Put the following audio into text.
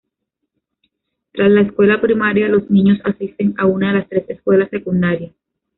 Tras la escuela primaria los niños asisten a una de las tres escuelas secundarias.